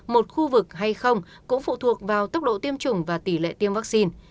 một khu vực hay không cũng phụ thuộc vào tốc độ tiêm chủng và tỷ lệ tiêm vaccine